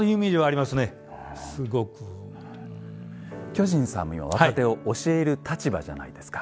巨人さんも今若手を教える立場じゃないですか。